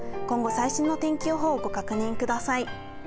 今後、最新の天気予報をご確認ください。